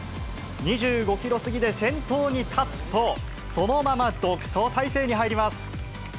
２５キロ過ぎで先頭に立つと、そのまま独走態勢に入ります。